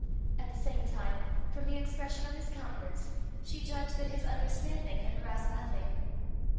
At the same time, from the expression of his countenance, she judged that his understanding had grasped nothing.